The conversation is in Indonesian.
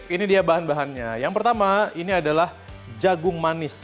ini dia bahan bahannya yang pertama ini adalah jagung manis